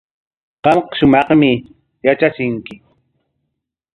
Qamqa shumaqmi yatrachinki.